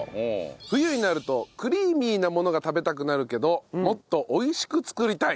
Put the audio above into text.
冬になるとクリーミーなものが食べたくなるけどもっと美味しく作りたい。